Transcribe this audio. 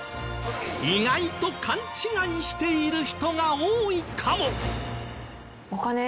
意外と勘違いしている人が多いかも？